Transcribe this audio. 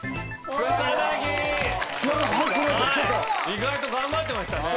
意外と頑張ってましたね。